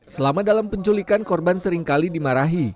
selama dalam penculikan korban seringkali dimarahi